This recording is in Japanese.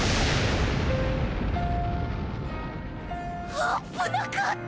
あっぶなかった！